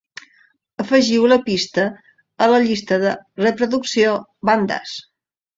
Afegiu la pista a la llista de reproducció "Bandas".